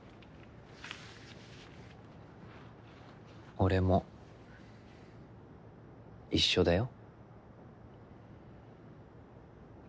俺も一緒だよ。